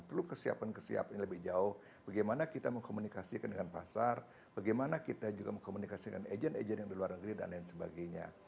perlu kesiapan kesiapan lebih jauh bagaimana kita mengkomunikasikan dengan pasar bagaimana kita juga mengkomunikasikan agent agent yang di luar negeri dan lain sebagainya